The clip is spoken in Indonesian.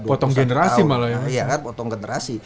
potong generasi malah ya mas